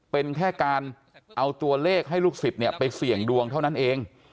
เป็นแค่การเอาตัวเลขให้ลูกศิษย์ไปเสี่ยงดวงเท่านั้นเอง